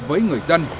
với người dân